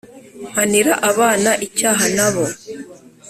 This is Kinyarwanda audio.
l Mpanira abana icyaha nabo